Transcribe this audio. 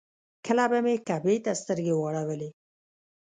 کله به مې کعبې ته سترګې واړولې.